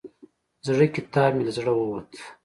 زړه کتاب مې له زړه ووت.